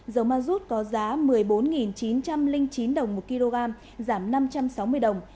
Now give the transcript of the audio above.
dầu ma rút có giá một mươi bốn chín trăm linh chín đồng một kg giảm năm trăm sáu mươi đồng